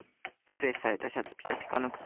プレスされたシャツピカピカの靴